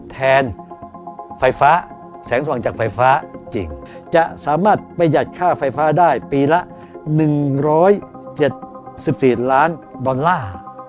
ไฟฟ้าแสงสว่างจากไฟฟ้าจริงจะสามารถประหยัดค่าไฟฟ้าได้ปีละ๑๗๔ล้านดอลลาร์